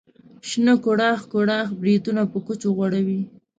شنه کوړاخ کوړاخ بریتونه په کوچو غوړوي.